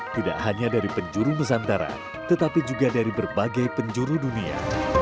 tidak hanya dari penjuru nusantara tetapi juga dari berbagai penjuru dunia